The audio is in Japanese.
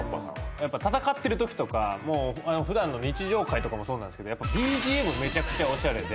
やっぱ戦ってる時とかもう普段の日常回とかもそうなんすけどやっぱＢＧＭめちゃくちゃオシャレで。